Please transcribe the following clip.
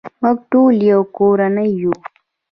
موږ ټول یو کورنۍ یو.